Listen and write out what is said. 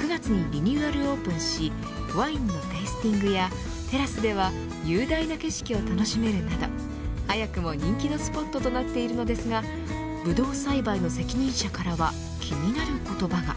９月にリニューアルオープンしワインのテイスティングやテラスでは雄大な景色を楽しめるなど早くも人気のスポットとなっているのですがブドウ栽培の責任者からは気になる言葉が。